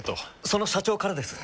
その社長からです。